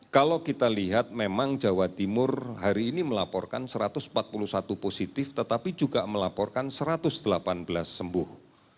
kalau kita lihat memang jawa timur hari ini melaporkan satu ratus empat puluh satu positif tetapi juga melaporkan satu ratus delapan belas sembuh